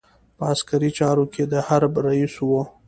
په عسکري چارو کې د حرب رئیس وو.